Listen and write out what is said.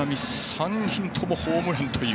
３人ともホームランという。